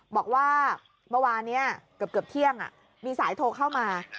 บอกว่าเมื่อวานนี้เกือบเที่ยงมีสายโทรเข้ามา